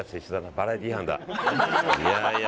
バラエティー班だ。